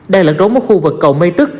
đang lẫn trốn mất khu vực cầu mây tức